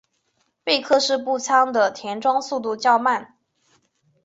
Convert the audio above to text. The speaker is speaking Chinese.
贝克式步枪的填装速度较慢。